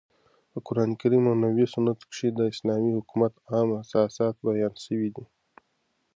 په قرانکریم او نبوي سنتو کښي د اسلامي حکومت عام اساسات بیان سوي دي.